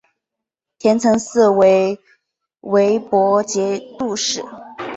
田承嗣为魏博节度使。